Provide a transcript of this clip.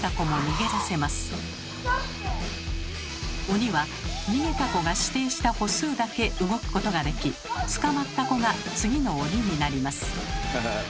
鬼は逃げた子が指定した歩数だけ動くことができ捕まった子が次の鬼になります。